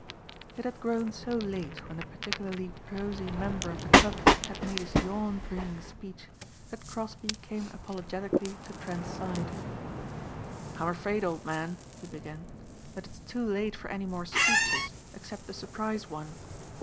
It had grown so late when the particularly prosy member of the club had made his yawn bringing speech, that Crosbeigh came apologetically to Trent's side. "I'm afraid, old man," he began, "that it's too late for any more speeches except the surprise one.